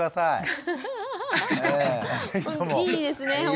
いい絵ですね